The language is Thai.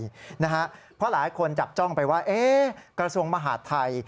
เพราะหลายคนจับจ้องไปว่ากระทรวงมหาดไทย